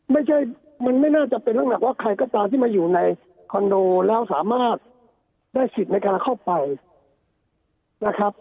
ไม่ใช่มันไม่น่าจะเป็นเรื่องหนักว่าใครก็ตามที่มาอยู่ในคอนโดแล้วสามารถได้สิทธิ์ในการเข้าไปนะครับ